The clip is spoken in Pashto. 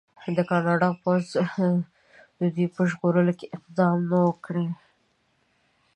د کاناډا پوځ د دوی په ژغورلو کې اقدام نه و کړی.